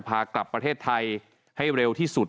พากลับประเทศไทยให้เร็วที่สุด